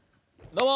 どうも。